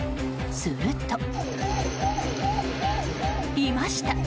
すると、いました！